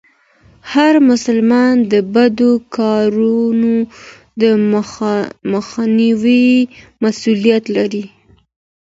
هر مسلمان د بدو کارونو د مخنيوي مسئوليت لري.